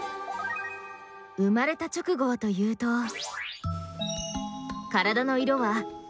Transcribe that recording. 生まれた直後はというと体の色は赤と黒。